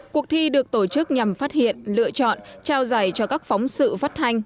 cuộc thi được tổ chức nhằm phát hiện lựa chọn trao giải cho các phóng sự phát hành